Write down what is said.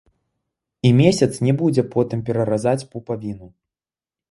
І месяц не будзе потым пераразаць пупавіну.